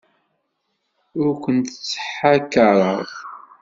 Ur kent-ttḥakaṛeɣ.